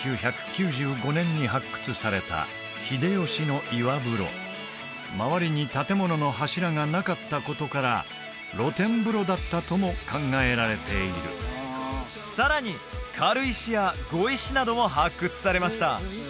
１９９５年に発掘された秀吉の岩風呂周りに建物の柱がなかったことから露天風呂だったとも考えられているさらに軽石や碁石なども発掘されました